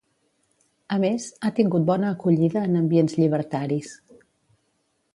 A més, ha tingut bona acollida en ambients llibertaris.